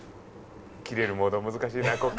キレるモード難しいなここから。